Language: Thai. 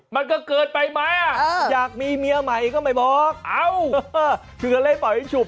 มันก็เกินไปไหมอยากมีเมียใหม่ก็ไม่บอกเอ้าถึงอะไรปล่อยให้ฉุบ